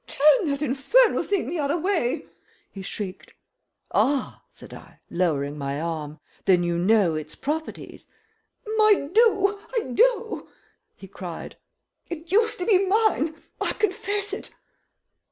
"Turn that infernal thing the other way!" he shrieked. "Ah!" said I, lowering my arm. "Then you know its properties?" "I do I do!" he cried. "It used to be mine I confess it!"